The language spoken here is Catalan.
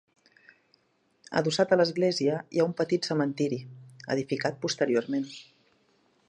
Adossat a l'església hi ha un petit cementiri, edificat posteriorment.